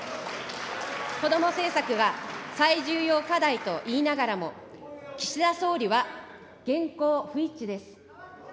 こども政策が最重要課題と言いながらも、岸田総理は言行不一致です。